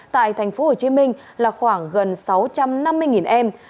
tại tp hcm là khoảng gần sáu trăm năm mươi em